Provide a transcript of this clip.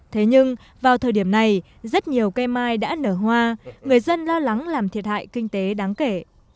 thế nhưng vào thời điểm này rất nhiều cây mai đã nở hoa người dân lo lắng làm thiệt hại kinh tế đáng kể